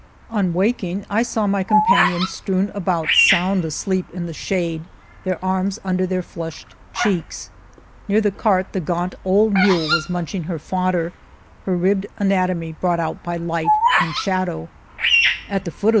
On waking I saw my companions strewn about sound asleep in the shade, their arms under their flushed cheeks. Near the cart the gaunt old mule was munching her fodder, her ribbed anatomy brought out by light and 205 The Morena lU.